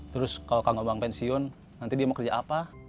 terus kalau kamu bang pensiun nanti dia mau kerja apa